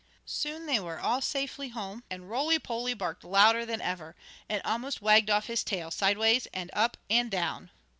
Soon they were all safely home, and Roly Poly barked louder than ever, and almost wagged off his tail, sideways and up and down.